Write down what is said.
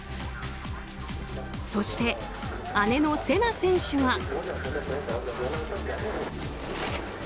そして、姉のせな選手は。